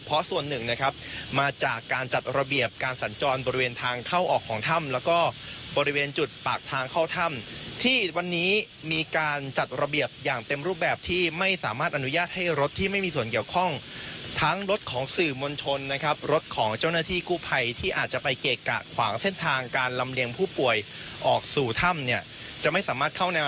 เพราะส่วนหนึ่งนะครับมาจากการจัดระเบียบการสัญจรบริเวณทางเข้าออกของถ้ำแล้วก็บริเวณจุดปากทางเข้าถ้ำที่วันนี้มีการจัดระเบียบอย่างเต็มรูปแบบที่ไม่สามารถอนุญาตให้รถที่ไม่มีส่วนเกี่ยวข้องทั้งรถของสื่อมวลชนนะครับรถของเจ้าหน้าที่กู้ภัยที่อาจจะไปเกะกะขวางเส้นทางการลำเลียงผู้ป่วยออกสู่ถ้ำเนี่ยจะไม่สามารถเข้าแนว